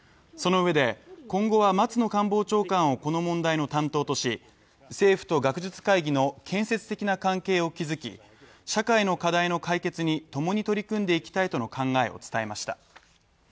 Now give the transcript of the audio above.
そのうえで今後は松野官房長官をこの問題の担当とし政府と学術会議の建設的な関係を築き、社会の課題の解決に共に取り組んでいきたいとの考えを伝えました。